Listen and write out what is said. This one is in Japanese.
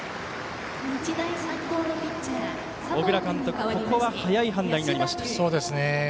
小倉監督、ここは早い判断になりました。